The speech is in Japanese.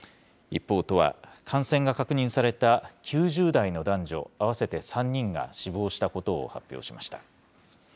一方、都は、感染が確認された９０代の男女合わせて３人が死亡したことを発表しました。